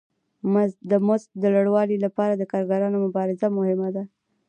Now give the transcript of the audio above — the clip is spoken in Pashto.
د مزد د لوړوالي لپاره د کارګرانو مبارزه مهمه ده